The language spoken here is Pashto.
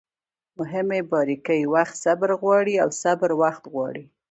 مهمه باریکي: وخت صبر غواړي او صبر وخت غواړي